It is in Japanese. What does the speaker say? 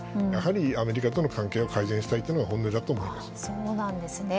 アメリカとの関係を改善したいというのが本音だと思います。